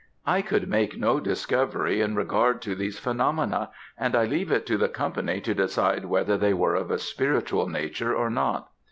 "I could make no discovery in regard to these phenomena; and I leave it to the company to decide whether they were of a spiritual nature or not.